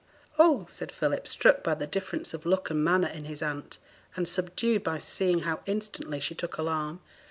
'Oh,' said Philip, struck by the difference of look and manner in his aunt, and subdued by seeing how instantly she took alarm.